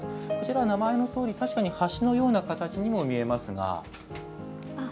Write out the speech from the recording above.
こちら、名前のとおり橋のようにも見えますが。